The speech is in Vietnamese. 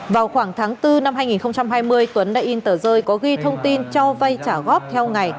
vào khoảng tháng bốn năm hai nghìn hai mươi tuấn đã in tờ rơi có ghi thông tin cho vay trả góp theo ngày